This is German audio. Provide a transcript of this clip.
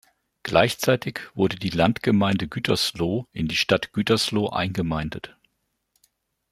Gleichzeitig wurde die Landgemeinde Gütersloh in die Stadt Gütersloh eingemeindet.